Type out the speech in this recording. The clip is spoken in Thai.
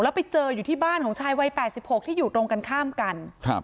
แล้วไปเจออยู่ที่บ้านของชายวัย๘๖ที่อยู่ตรงกันข้ามกันครับ